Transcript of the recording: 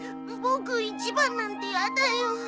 ボク１番なんてやだよ。